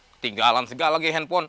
kita beli handphone